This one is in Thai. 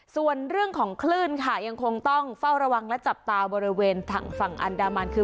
ส่วนเรื่องของคลื่นค่ะยังคงต้องเฝ้าระวังและจับตาบริเวณทางฝั่งอันดามันคือ